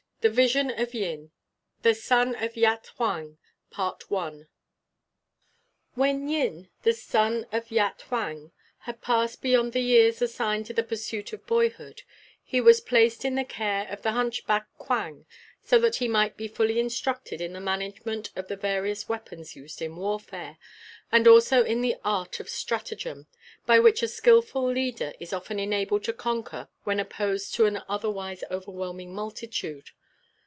THE VISION OF YIN, THE SON OF YAT HUANG When Yin, the son of Yat Huang, had passed beyond the years assigned to the pursuit of boyhood, he was placed in the care of the hunchback Quang, so that he might be fully instructed in the management of the various weapons used in warfare, and also in the art of stratagem, by which a skilful leader is often enabled to conquer when opposed to an otherwise overwhelming multitude.